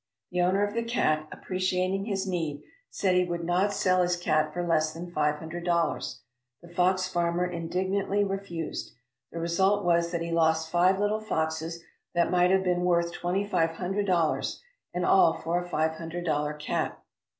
The owner of the cat, appreciating his need, said he would not sell his cat for less than five hundred dollars. The fox farmer indignantly refused. The result was that he lost five little foxes that might have been worth twenty five hundred dollars, and all for a five hundred dollar cat.